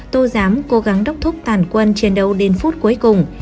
tô giám cố gắng đốc thúc tàn quân chiến đấu đến phút cuối cùng